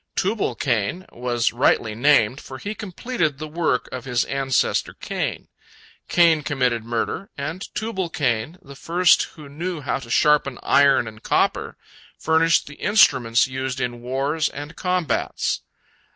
Tubal cain was rightly named, for he completed the work of his ancestor Cain. Cain committed murder, and Tubal cain, the first who knew how to sharpen iron and copper, furnished the instruments used in wars and combats.